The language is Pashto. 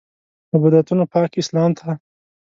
له بدعتونو پاک اسلام ته.